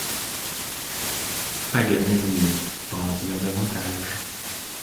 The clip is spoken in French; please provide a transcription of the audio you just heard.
Paganel ne put pas en dire davantage.